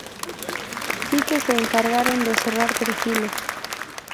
sí que se encargaron de cerrar perfiles